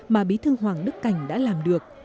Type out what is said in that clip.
mà bí thư hoàng đức cảnh đã làm được